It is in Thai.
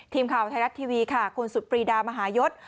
ทีมข่าวไทยรัฐทีวีค่ะคุณสุดปรีดามหายศ